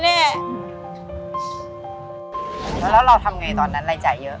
แล้วเราทำไงตอนนั้นรายจ่ายเยอะ